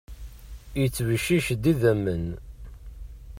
Yettbeccic-d idammen.